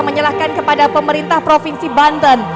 menyerahkan kepada pemerintah provinsi banten